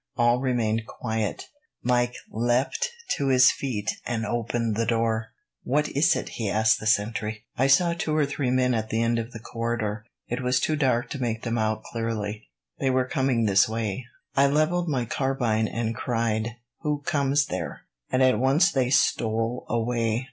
All remained quiet. Mike leapt to his feet and opened the door. "What is it?" he asked the sentry. "I saw two or three men at the end of the corridor. It was too dark to make them out clearly. They were coming this way. I levelled my carbine and cried, 'Who comes there?' and at once they stole away.